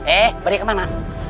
eh balik kemana